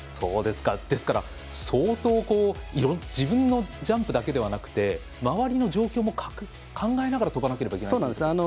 ですから、相当自分のジャンプだけではなくて周りの状況も考えながら飛ばなければいけないんですね。